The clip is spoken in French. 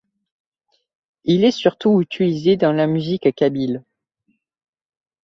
Il est surtout utilisé dans la musique kabyle.